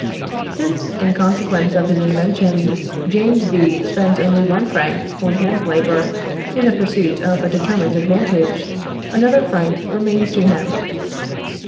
Since, in consequence of his invention, James B. spends only one franc on hand labour in the pursuit of a determined advantage, another franc remains to him.